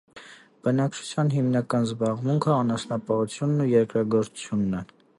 Բնակչության հիմնական զբաղմունքը անասնապահությունն ու երկրագործությունն է։